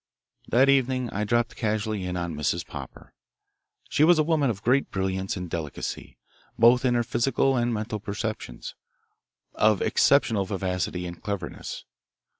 That evening I dropped casually in on Mrs. Popper. She was a woman of great brilliance and delicacy, both in her physical and mental perceptions, of exceptional vivacity and cleverness.